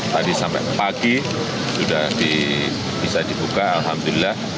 tadi sampai pagi sudah bisa dibuka alhamdulillah